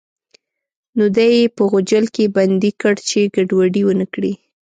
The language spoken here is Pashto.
نو دی یې په غوجل کې بندي کړ چې ګډوډي ونه کړي.